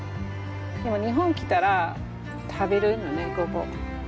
でも日本来たら食べるのねゴボウ。